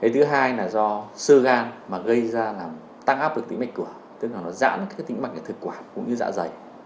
thứ hai là do sơ gan mà gây ra tăng áp được tính mạch của tức là nó giãn tính mạch thực quản cũng như dạ dày